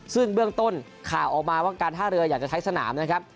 ซึ่งเบื้องต้นข่าวออกมาว่าการท่าเรืออยากจะใช้สนามนะครับ